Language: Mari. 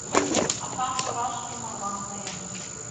Акам торашке марлан каен.